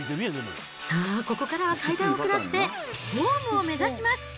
さあ、ここからは階段を下って、ホームを目指します。